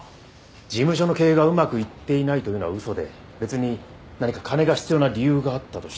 事務所の経営がうまくいっていないというのは嘘で別に何か金が必要な理由があったとしたら。